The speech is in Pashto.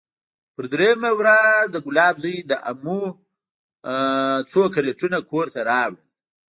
پر درېيمه ورځ د ګلاب زوى د امو څو کرېټونه کور ته راوړل.